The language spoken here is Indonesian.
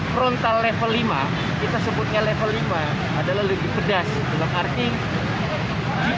frontal level lima kita sebutnya level lima adalah lebih pedas dalam arti